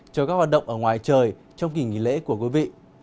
cho các hoạt động ở ngoài trời trong kỳ nghỉ lễ của quý vị